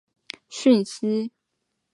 提供专业之相关讯息